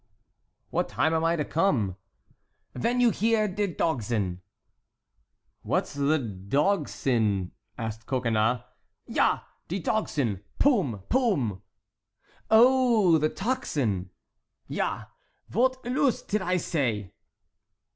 "What time am I to come?" "Ven you hear de dogsin." "What's the dogsin?" asked Coconnas. "Ja! de dogsin—pum! pum!" "Oh! the tocsin!" "Ja, vot elus tid I zay?"